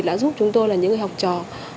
đã giúp chúng tôi là những người học trò